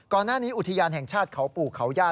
ก่อนหน้านี้อุทยานแห่งชาติเขาปู่เขาหญ้า